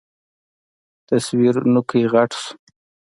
تصوير نوکى غټ سو.